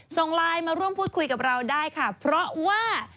ส่งไลน์มาร่วมพูดคุยกับเราได้ค่ะเพราะว่า